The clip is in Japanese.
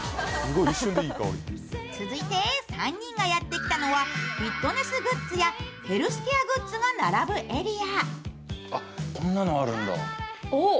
続いて３人がやってきたのはフィットネスグッズやヘルスケアグッズが並ぶエリア。